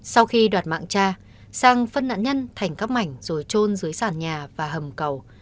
sau khi đoạt mạng cha sang phân nạn nhân thành các mảnh rồi trôn dưới sàn nhà và hầm cầu